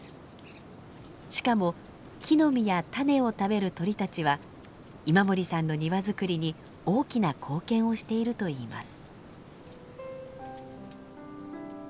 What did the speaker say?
しかも木の実や種を食べる鳥たちは今森さんの庭づくりに大きな貢献をしているといいます。